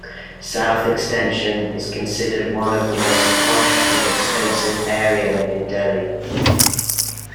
South Extension is considered one of the most posh and expensive area in Delhi.